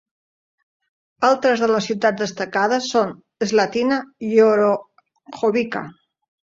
Altres de les ciutats destacades són Slatina i Orahovica.